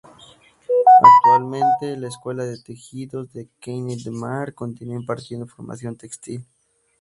Actualmente, la Escuela de Tejidos de Canet de Mar continúa impartiendo formación textil.